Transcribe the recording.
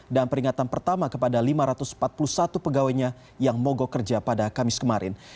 dan peringatan pertama kepada lima ratus empat puluh satu pegawainya yang mogok kerja pada kamis kemarin